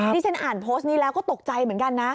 ที่ฉันอ่านโพสต์นี้แล้วก็ตกใจเหมือนกันนะ